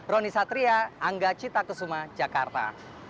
roni satria angga cita kesuma jakarta